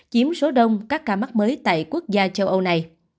chiếm số đông các ca mắc mới tại quốc gia châu âu này